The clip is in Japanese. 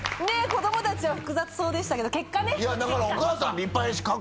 子供たちは複雑そうでしたけど結果ね。